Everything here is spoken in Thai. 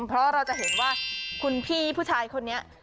เพราะเราจะเห็นว่าคุณพี่ผู้ชายคนนี้